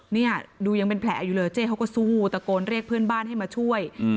เนี่ยดูยังเป็นแผลอยู่เลยเจ๊เขาก็สู้ตะโกนเรียกเพื่อนบ้านให้มาช่วย